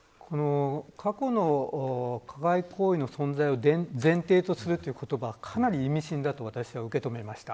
過去の加害行為の存在を前提とするという言葉はかなり意味深だと私は受け止めました。